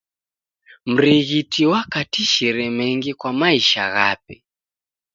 Mrighiti wakatishire mengi kwa maisha ghape.